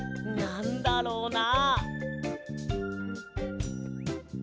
なんだろうな？